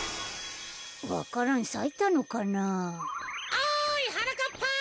おいはなかっぱ！